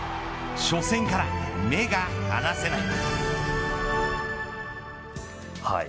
初戦から目が離せない。